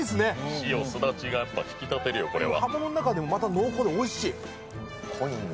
塩・すだちが引き立てるよ、これは。